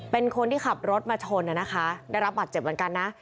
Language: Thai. เป็นคนที่ขับรถมาชนนะคะได้รับบัตรเจ็บเหมือนกันนะ